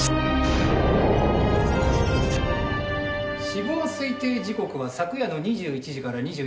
死亡推定時刻は昨夜の２１時から２４時の間。